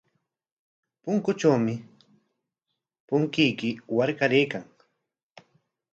Punkutrawmi punchuyki warkaraykan.